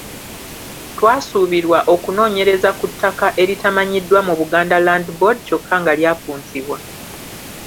Twasuubirwa okunoonyereza ku ttaka eritamanyiddwa mu Buganda Land Board kyokka nga lyapuntibwa.